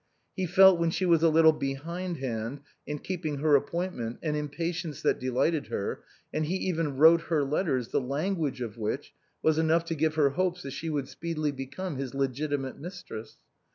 He felt when she was a little behindhand in keeping her appointment an impatience that delighted her, and he even wrote her letters the language of which was enough to give her hopes that she would speedily become his legiti mate mistress.